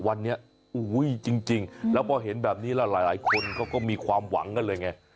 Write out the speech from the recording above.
วันนี้จริงแล้วพอเห็นแบบนี้แล้วหลายคนเขาก็มีความหวังกันเลยไง